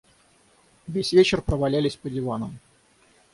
Весь вечер провалялись по диванам.